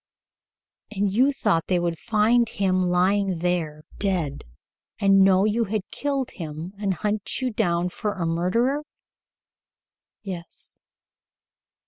"And you thought they would find him lying there dead and know you had killed him and hunt you down for a murderer?" "Yes."